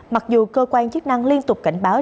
mặc dù cơ quan chức năng liên tục cảnh báo